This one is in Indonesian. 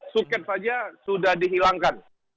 suket saja sudah dihilangkan